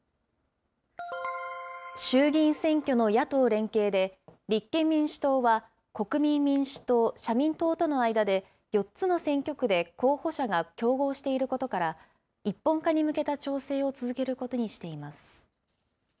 衆議院選挙の野党連携で、立憲民主党は、国民民主党、社民党との間で、４つの選挙区で候補者が競合していることから、一本化に向けた調整を続けることにしています。